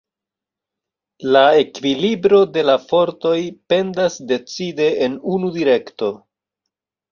La ekvilibro de la fortoj pendas decide en unu direkto.